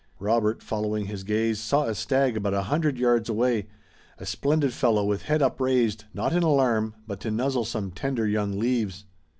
Robert, following his gaze, saw a stag about a hundred yards away, a splendid fellow with head upraised, not in alarm, but to nuzzle some tender young leaves.